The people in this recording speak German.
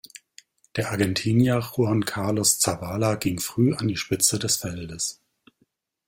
Der Argentinier Juan Carlos Zabala ging früh an die Spitze des Feldes.